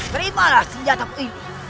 terimalah senjataku ini